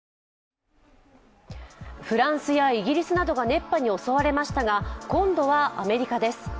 フランスやイギリスなどが熱波に襲われましたが今度はアメリカです。